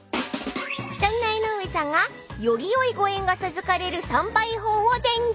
［そんな江上さんがより良いご縁が授かれる参拝法を伝授］